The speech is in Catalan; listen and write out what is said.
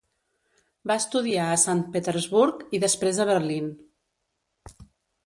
Va estudiar a Sant Petersburg i després a Berlín.